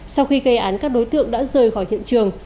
sau khi gây án các đối tượng đã rời khỏi hiện trường